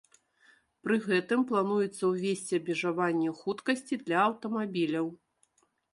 Пры гэтым плануецца ўвесці абмежаванне хуткасці для аўтамабіляў.